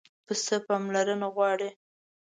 پسه پاملرنه غواړي.